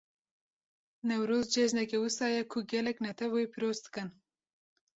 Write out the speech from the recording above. Newroz, cejineke wisa ye ku gelek netew wê pîroz dikin.